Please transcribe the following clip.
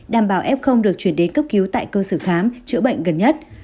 đảm bảo ép không được chuyển đến cấp cứu tại cơ sở khám chữa bệnh gần nhất